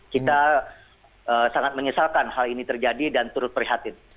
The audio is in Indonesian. kita sangat menyesalkan hal ini terjadi dan terus perhatian